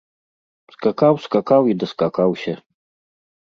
Скакаў, скакаў і даскакаўся.